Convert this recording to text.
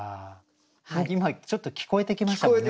ちょっと聞こえてきましたもんね。